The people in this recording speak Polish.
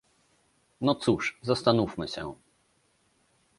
No cóż, zastanówmy się